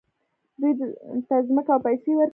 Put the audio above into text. دوی ته ځمکه او پیسې ورکوي.